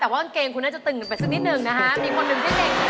หน่อยก็เต่นเต้นไปกว่านี่นึง